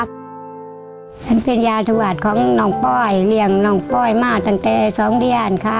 มันเป็นยาธวาสของน้องป้อยเลี้ยงน้องป้อยมาตั้งแต่๒เดือนค่ะ